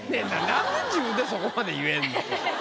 何で自分でそこまで言えんの？